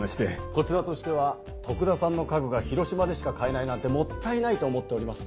こちらとしては徳田さんの家具が広島でしか買えないなんてもったいないと思っております